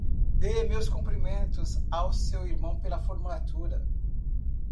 Dê meus cumprimentos ao seu irmão pela formatura.